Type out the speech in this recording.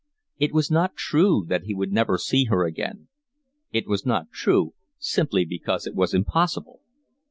It was not true that he would never see her again. It was not true simply because it was impossible.